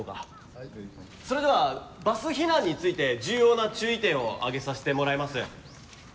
それではバス避難について重要な注意点を挙げさせてもらいます。